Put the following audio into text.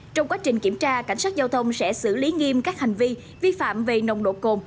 trong quá trình kiểm tra cảnh sát giao thông sẽ xử lý nghiêm các hành vi vi phạm về nồng độ cồn